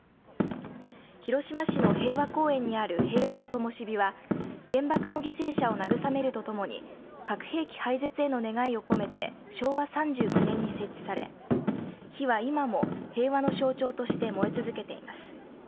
広島市の平和公園にある平和の灯は原爆の犠牲者を慰めるとともに核兵器廃絶への願いを込めて昭和３９年に設置され火は今も平和の象徴として燃え続けています。